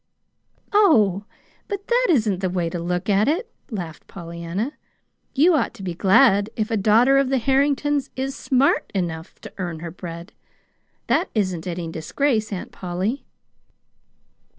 "Oh, but that isn't the way to look at it," laughed Pollyanna. "You ought to be glad if a daughter of the Harringtons is SMART enough to earn her bread! That isn't any disgrace, Aunt Polly."